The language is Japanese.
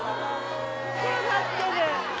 こうなってる！